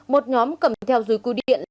một nhóm cầm theo dùi cư điện